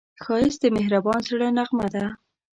ښایست د مهربان زړه نغمه ده